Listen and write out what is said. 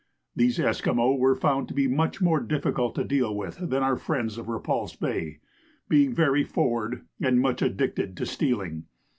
These Esquimaux were found to be much more difficult to deal with than our friends of Repulse Bay, being very forward and much addicted to stealing.